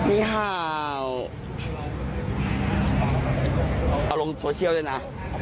เอาลงโซเชียลด้วยนะ